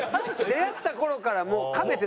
出会った頃からか。